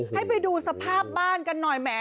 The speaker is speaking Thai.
ให้ไปดูสภาพบ้านกันหน่อยแหม